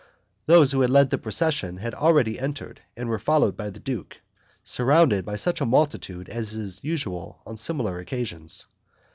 Those who led the procession had already entered, and were followed by the duke, surrounded by such a multitude as is usual on similar occasions.